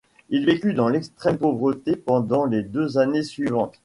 Il vécut dans l'extrême pauvreté pendant les deux années suivantes.